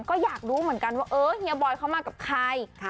ก็อยากรู้เหมือนกันว่าเออเฮียบอยเขามากับใคร